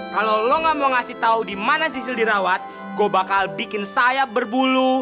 kalau lo gak mau kasih tau dimana sisil dirawat gue bakal bikin sayap berbulu